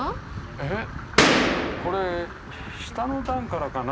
えっこれ下の段からかな？